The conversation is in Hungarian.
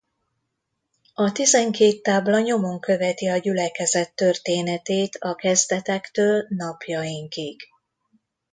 A tizenkét tábla nyomon követi a gyülekezet történetét a kezdetektől napjainkig.